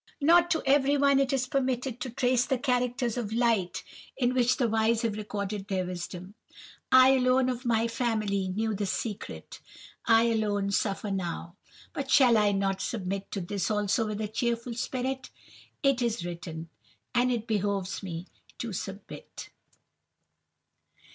Not to everyone is it permitted to trace the characters of light in which the wise have recorded their wisdom. I alone of my family knew the secret. I alone suffer now. But shall I not submit to this also with a cheerful spirit? It is written, and it behoves me to submit.